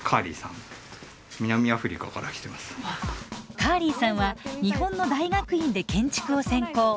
カーリーさんは日本の大学院で建築を専攻。